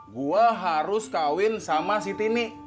gua harus kawin sama siti nih